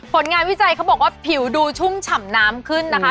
ผลงานวิจัยเขาบอกว่าผิวดูชุ่มฉ่ำน้ำขึ้นนะคะ